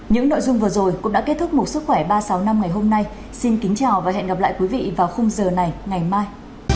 những nội dung vừa rồi cũng đã kết thúc một sức khỏe ba trăm sáu mươi năm ngày hôm nay xin kính chào và hẹn gặp lại quý vị vào khung giờ này ngày mai